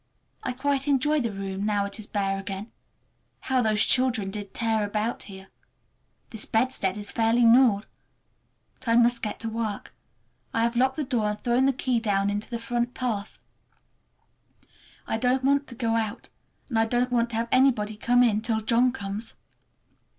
I quite enjoy the room, now it is bare again. How those children did tear about here! This bedstead is fairly gnawed! But I must get to work. I have locked the door and thrown the key down into the front path. I don't want to go out, and I don't want to have anybody come in, till John comes.